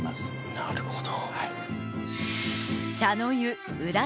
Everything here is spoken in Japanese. なるほど！